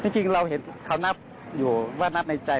จริงเราเห็นเขานับอยู่ว่านับในใจ